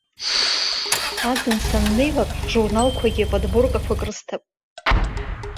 Аӡын саннеилак ҳжурналқәагьы подборкақәак рысҭап.